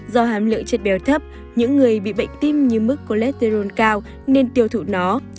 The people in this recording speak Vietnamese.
do hàm lượng chất bèo thấp những người bị bệnh tim như mức cholesterol cao nên tiêu thụ nó